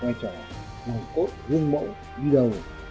vai trò là một cốt vương mẫu đi đầu